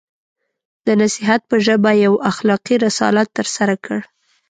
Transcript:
د نصیحت په ژبه یو اخلاقي رسالت ترسره کړ.